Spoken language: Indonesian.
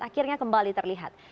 akhirnya kembali terlihat